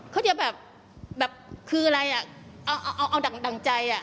เขาจะแบบคืออะไรเอาดั่งใจ